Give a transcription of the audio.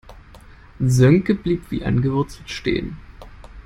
Sönke blieb wie angewurzelt stehen.